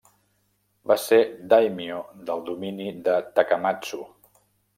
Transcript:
Va ser dàimio del domini de Takamatsu.